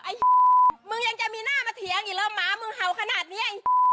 มึงยังจะมีหน้ามาเถียงอีกแล้วหมามึงเห่าขนาดนี้